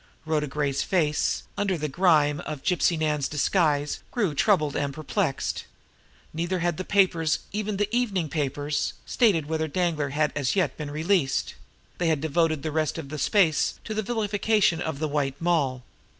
Rhoda Gray's face, under the grime of Gypsy Nan's disguise, grew troubled and perplexed. Neither had the papers, even the evening papers, stated whether Danglar had as yet been released they had devoted the rest of their space to the vilification of the White Moll.